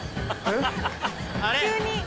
急に。